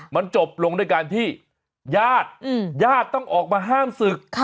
มันจบลงด้วยการที่ญาติญาติต้องออกมาห้ามศึก